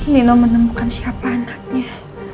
nino menemukan siapa anaknya